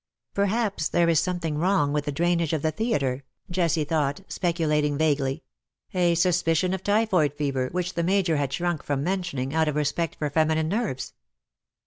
^^ Perhaps there is something wrong with the drainage of the theatre/^ Jessie thought, speculating vaguely — a suspicion of typhoid fever, which the Major had shrunk from mentioning, out of respect for feminine nerves.